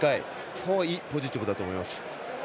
すごいポジティブだと思います。